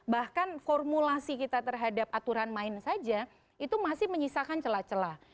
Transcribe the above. bahkan formulasi kita terhadap aturan main saja itu masih menyisakan celah celah